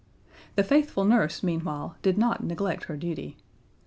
The faithful Nurse, meanwhile, did not neglect her duty.